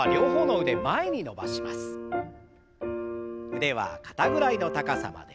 腕は肩ぐらいの高さまで。